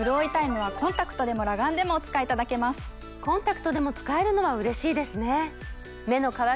コンタクトでも使えるのはうれしいですね。